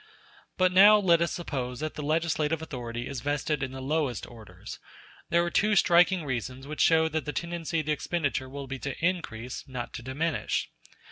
But let us now suppose that the legislative authority is vested in the lowest orders: there are two striking reasons which show that the tendency of the expenditure will be to increase, not to diminish.